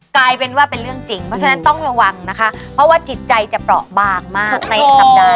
กลายเป็นว่าเป็นเรื่องจริงเพราะฉะนั้นต้องระวังนะคะเพราะว่าจิตใจจะเปราะบางมากในสัปดาห์